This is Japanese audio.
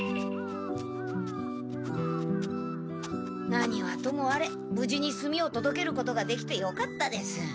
何はともあれぶじに炭をとどけることができてよかったです。